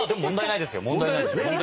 問題ないですね。